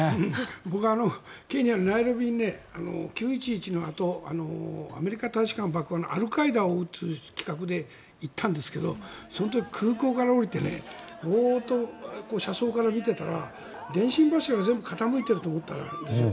僕はケニアのナイロビに９・１１のあとアメリカ大使館爆破のアルカイダを追う企画で行ったんですけどその時、空港から降りてボーッと車窓から見ていたら電信柱が、全部傾いていると思ったんですよ。